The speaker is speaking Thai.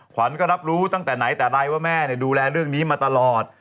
ขวัญก็รับรู้ตั้งแต่ไหนแต่ไรว่าแม่ดูแลเรื่องนี้มาตลอด